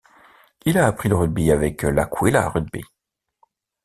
Il a appris le rugby avec L'Aquila Rugby.